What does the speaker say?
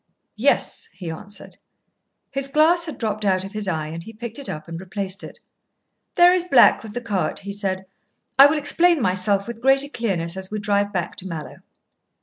"Yes," he answered. His glass had dropped out of his eye, and he picked it up and replaced it. "There is Black with the cart," he said. "I will explain myself with greater clearness as we drive back to Mallowe."